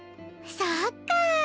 そっか。